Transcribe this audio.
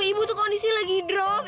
ibu kondisi lagi drop